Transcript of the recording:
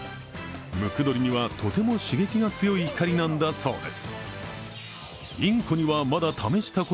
ムクドリにはとても刺激が強い光なんだそうです。